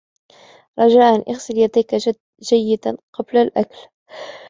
رجاءً ، اغسل يديك جيدًا قبل الأكل.